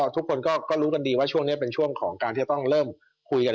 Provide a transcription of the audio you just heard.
ทุกคนก็รู้กันดีว่าช่วงนี้เป็นช่วงของการที่จะต้องเริ่มคุยกัน